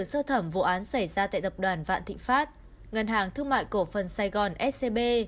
sơ thẩm vụ án xảy ra tại tập đoàn vạn thịnh pháp ngân hàng thương mại cổ phần sài gòn scb